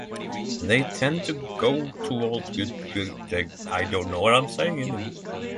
They tend toward good as well.